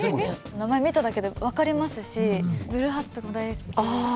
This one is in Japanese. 名前見ただけで分かりますしブルーハーツとかも大好きですし。